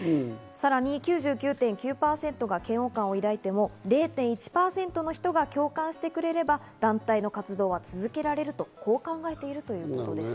さらに９９．９％が嫌悪感を抱いても０．１％の人が共感してくれれば、団体の活動を続けられると、こう考えているといいます。